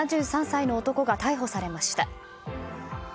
７３歳の男が逮捕されました。